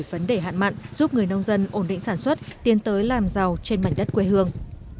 vấn đề hạn mặn giúp người nông dân ổn định sản xuất tiến tới làm giàu trên mảnh đất quê hương